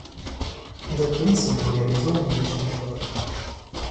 Этот принцип был реализован лишь наполовину.